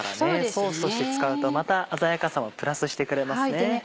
ソースとして使うとまた鮮やかさをプラスしてくれますね。